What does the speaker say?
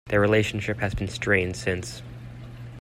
Their relationship has been strained since.